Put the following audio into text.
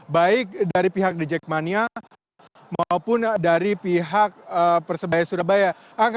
baik dari pihak jakmania maupun dari pihak persebaya surabaya